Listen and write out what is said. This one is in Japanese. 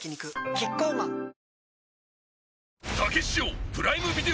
キッコーマンはい。